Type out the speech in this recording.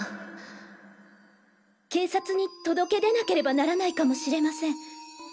警察に届け出なければならないかもしれません。